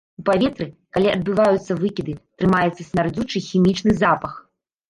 У паветры, калі адбываюцца выкіды, трымаецца смярдзючы хімічны запах.